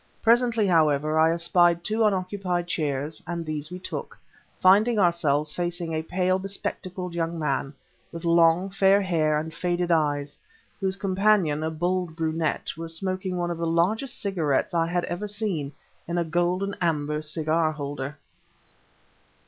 Presently, however, I espied two unoccupied chairs; and these we took, finding ourselves facing a pale, bespectacled young man, with long, fair hair and faded eyes, whose companion, a bold brunette, was smoking one of the largest cigarettes I had ever seen, in a gold and amber cigar holder.